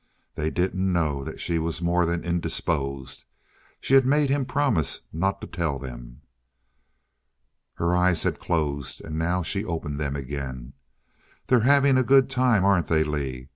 They didn't know that she was more than indisposed. She had made him promise not to tell them. Her eyes had closed, and now she opened them again. "They're having a good time, aren't they, Lee?